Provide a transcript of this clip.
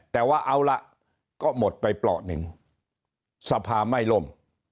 แต่ว่าเอาล่ะก็หมดไปเปราะหนึ่งสภาไม่ล่ม